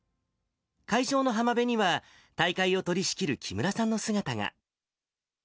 会場の浜辺には、大会を取り仕切る木村さんの姿が。